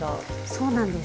そうなんです。